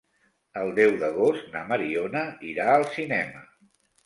El deu d'agost na Mariona irà al cinema.